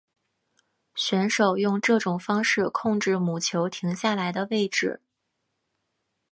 选手用这种方式控制母球停下来的位置。